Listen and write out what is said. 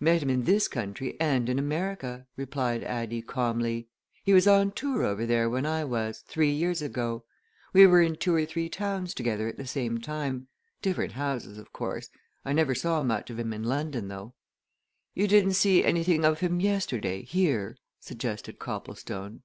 "Met him in this country and in America," replied Addie, calmly. "He was on tour over there when I was three years ago. We were in two or three towns together at the same time different houses, of course. I never saw much of him in London, though." "You didn't see anything of him yesterday, here?" suggested Copplestone.